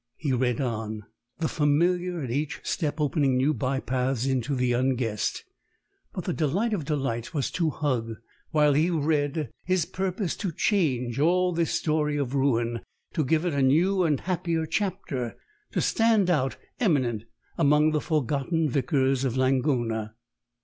He read on, the familiar at each step opening new bypaths into the unguessed. But the delight of delights was to hug, while he read, his purpose to change all this story of ruin, to give it a new and happier chapter, to stand out eminent among the forgotten Vicars of Langona.